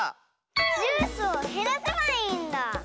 ジュースをへらせばいいんだ！